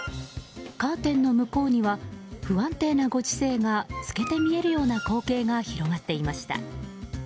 カーテンの向こうには不安定なご時世が透けて見えるような光景が広がっていました。